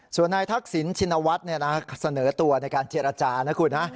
ส่วนนายทักษิณชินวัฒน์เสนอตัวในการเจรจานะคุณนะ